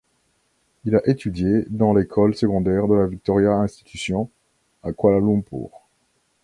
Il a étudié dans l'école secondaire de la Victoria Institution, à Kuala Lumpur.